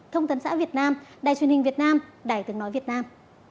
thông tấn xã việt nam đài truyền hình việt nam đài tiếng nói việt nam